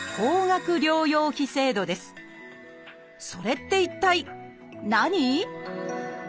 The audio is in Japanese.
それって一体何？